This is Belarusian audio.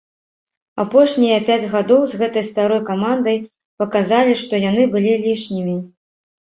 Апошнія пяць гадоў з гэтай старой камандай паказалі, што яны былі лішнімі.